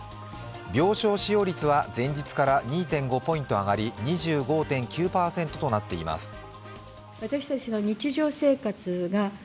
病床使用率は前日から２．５ポイント上がり、２５．９％となっています。